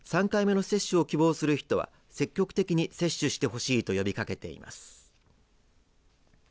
３回目の接種を希望する人は積極的に接種してほしいと呼びかけています。